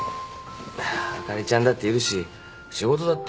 あかりちゃんだっているし仕事だって。